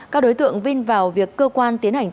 các đối tượng vinh vào việc cơ quan tiến hành